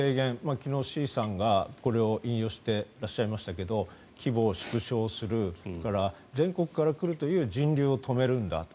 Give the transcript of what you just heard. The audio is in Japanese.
昨日、志位さんがこれを引用していらっしゃいましたけど規模を縮小するそれから全国から来るという人流を止めるんだと。